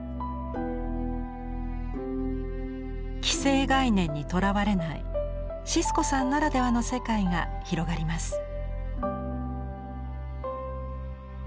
既成概念にとらわれないシスコさんならではの世界が広がります。